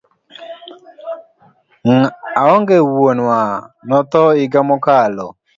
Aonge wuonwa, notho higa mokalo